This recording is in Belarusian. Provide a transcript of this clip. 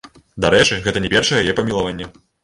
Дарэчы, гэта не першае яе памілаванне.